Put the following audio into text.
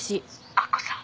明子さん。